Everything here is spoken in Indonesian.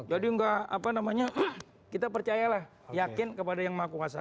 jadi kita percayalah yakin kepada yang maha kuasa